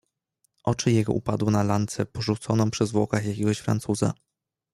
"Oczy jego upadły na lancę porzuconą przy zwłokach jakiegoś Francuza."